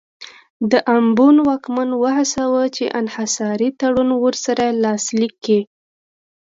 د امبون واکمن وهڅاوه چې انحصاري تړون ورسره لاسلیک کړي.